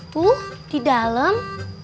tuh di dalam